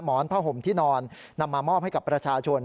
หมอนผ้าห่มที่นอนนำมามอบให้กับประชาชน